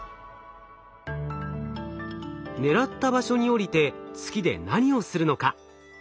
狙った場所に降りて月で何をするのか？